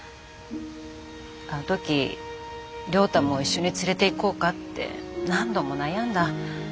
あの時亮太も一緒に連れていこうかって何度も悩んだ。